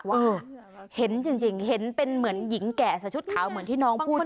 เห็นจริงเห็นเป็นเหมือนหญิงแก่ใส่ชุดขาวเหมือนที่น้องพูด